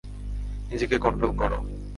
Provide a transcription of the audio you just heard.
নিজেকে কন্ট্রোল করো।